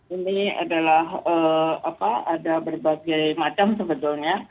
ini adalah ada berbagai macam sebetulnya